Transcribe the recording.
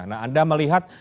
nah anda melihat